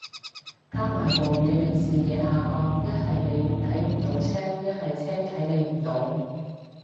加埋暴雨令視野下降，一係你睇唔到車，一係車睇你唔到